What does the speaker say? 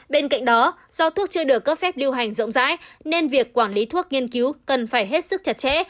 bên cạnh đó do thuốc chưa được cấp phép lưu hành rộng rãi nên việc quản lý thuốc nghiên cứu cần phải hết sức chặt chẽ